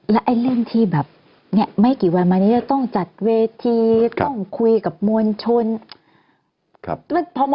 และเรื่องที่แบบไม่กี่วันมานี้จะต้องจัดเวทีต้องคุยกับมวลชน